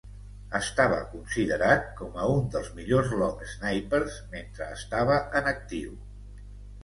Estava considerat com a un dels millors long snappers mentre estava en actiu.